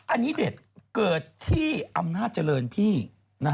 อันนี้เด็ดเกิดที่อำนาจเจริญพี่